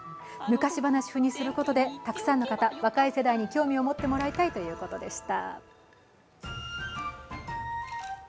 昔話風にすることで選挙、若い世代に興味を持ってもらいたいということでした。